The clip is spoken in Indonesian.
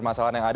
a sampai z